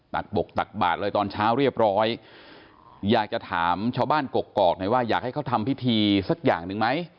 ตบกตักบาทเลยตอนเช้าเรียบร้อยอยากจะถามชาวบ้านกกอกหน่อยว่าอยากให้เขาทำพิธีสักอย่างหนึ่งไหม